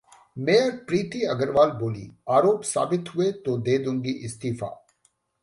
mayor Preeti Agarwal बोलीं- आरोप साबित हुए तो दे दूंगी इस्तीफा